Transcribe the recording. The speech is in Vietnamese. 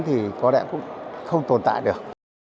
thì có lẽ cũng không tồn tại được